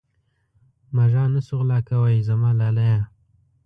مږان نه شو غلا کوې زما لالیه.